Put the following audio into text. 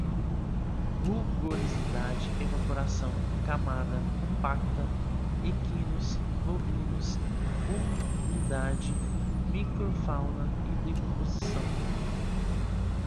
rugosidade, evaporação, camada compactada, equinos, bovinos, humidade, micro-fauna, decomposição